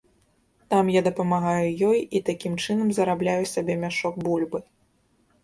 Там я дапамагаю ёй і такім чынам зарабляю сабе мяшок бульбы.